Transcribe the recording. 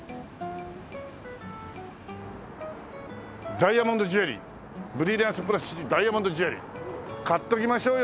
「ダイヤモンドジュエリー」「ブリリアンス・プラスダイヤモンドジュエリー」買っときましょうよ